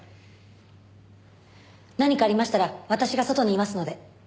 何かありましたら私が外にいますので。